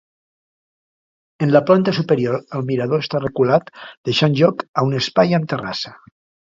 En la planta superior el mirador està reculat deixant lloc a un espai amb terrassa.